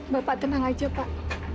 bapak tenang aja pak